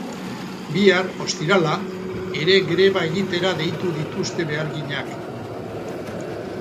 Bihar, ostirala, ere greba egitera deitu dituzte beharginak.